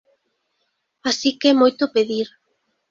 Así que é moito pedir.